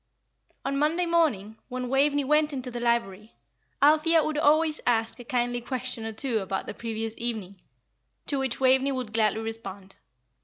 On Monday morning, when Waveney went into the library, Althea would always ask a kindly question or two about the previous evening, to which Waveney would gladly respond.